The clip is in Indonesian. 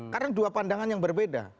karena dua pandangan yang berbeda